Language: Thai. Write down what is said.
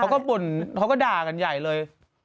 บ่นเขาก็ด่ากันใหญ่เลย